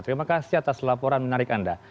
terima kasih atas laporan menarik anda